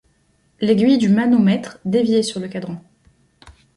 L’aiguille du manomètre déviait sur le cadran.